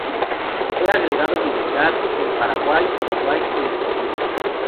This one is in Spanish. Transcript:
Fue agregado militar en Paraguay, Uruguay y Argentina.